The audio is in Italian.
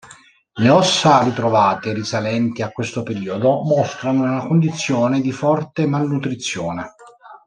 Le ossa ritrovate risalenti a questo periodo mostrano una condizione di forte malnutrizione.